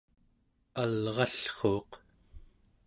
alrallruuq